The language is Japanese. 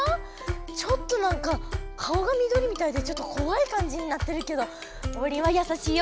ちょっとなんか顔がみどりみたいでちょっとこわいかんじになってるけどオウリンはやさしいよ